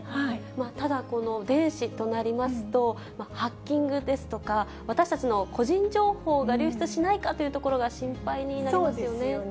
ただ、電子となりますと、ハッキングですとか、私たちの個人情報が流出しないかというところが心配になりますよね。